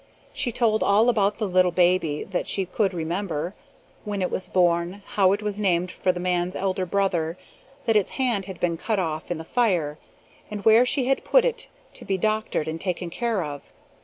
She told all about the little baby that she could remember: when it was born, how it was named for the man's elder brother, that its hand had been cut off in the fire, and where she had put it to be doctored and taken care of.